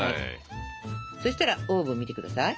そしたらオーブン見て下さい。